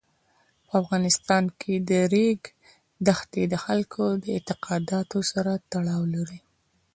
په افغانستان کې د ریګ دښتې د خلکو د اعتقاداتو سره تړاو لري.